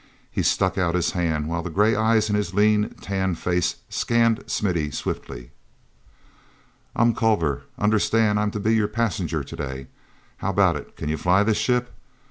He stuck out his hand, while the gray eyes in his lean, tanned face scanned Smithy swiftly. "I'm Culver. Understand I'm to be your passenger to day. How about it—can you fly the ship?